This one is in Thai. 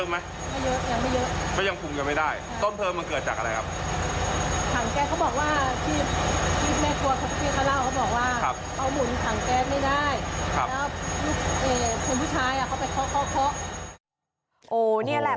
ไม่มีแล้ว